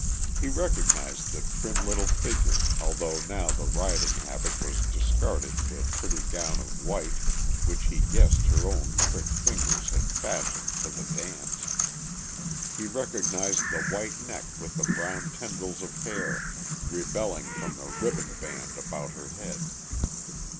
He recognized the trim little figure although now the riding habit was discarded for a pretty gown of white which he guessed her own quick fingers had fashioned for the dance; he recognized the white neck with the brown tendrils of hair rebelling from the ribbon band about her head.